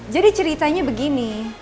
jadi ceritanya begini